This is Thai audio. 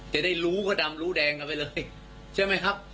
จะได้รู้ก็ดำรู้แดงกันไปเลยใช่ไหมครับ